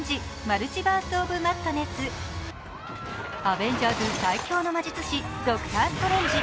アベンジャーズ最強の魔術師ドクター・ストレンジ。